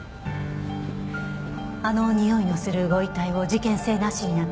あのにおいのするご遺体を事件性なしになんて出来ない。